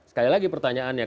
sekali lagi pertanyaannya